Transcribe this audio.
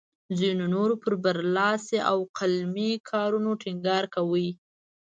ځینو نورو پر برلاسي او قلمي کارونو ټینګار کاوه.